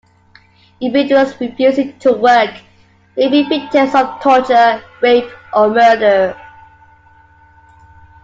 Individuals refusing to work may be victims of torture, rape or murder.